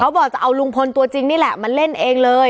บอกจะเอาลุงพลตัวจริงนี่แหละมาเล่นเองเลย